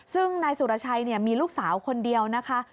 ซึ่งนายสุรชัยมีลูกสาวคนเดียวนะคะ